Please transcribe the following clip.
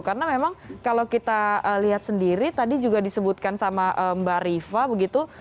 karena memang kalau kita lihat sendiri tadi juga disebutkan sama mbak riva begitu